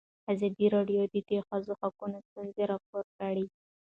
ازادي راډیو د د ښځو حقونه ستونزې راپور کړي.